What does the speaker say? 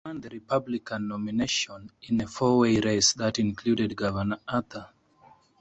He won the Republican nomination in a four-way race that included Governor Arthur.